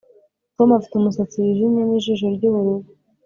Tom afite umusatsi wijimye nijisho ryubururu